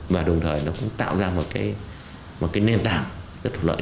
và đồng thời nó cũng tạo ra một cái nền tảng rất thuận lợi